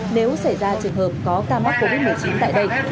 nếu xảy ra trường hợp có ca mắc covid một mươi chín tại đây